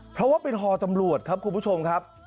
เพราะว่าเป็นฮอตำรวจครับคุณผู้ชมครับ